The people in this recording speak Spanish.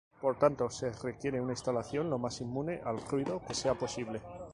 Por tanto, se requiere una instalación lo más inmune al ruido que sea posible.